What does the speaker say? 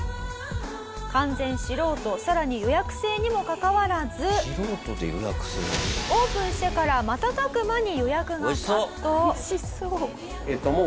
「完全素人さらに予約制にもかかわらずオープンしてから瞬く間に予約が殺到」「美味しそう！」